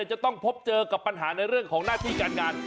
จะต้องพบเจอกับปัญหาในเรื่องของหน้าที่การงาน